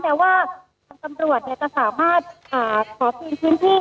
แก่ว่ากำรวจจะสามารถขอพิสูจน์ที่